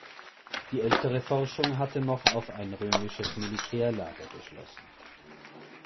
Die ältere Forschung hatte noch auf ein römisches Militärlager geschlossen.